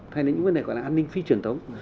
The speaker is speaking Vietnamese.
thay đến những vấn đề gọi là an ninh phi trường tống